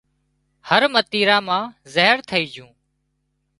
هر متيرا مان زهر ٿئي جھون